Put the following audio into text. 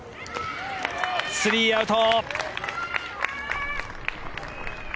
スリーアウト。